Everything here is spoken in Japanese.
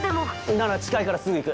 なら近いからすぐ行く。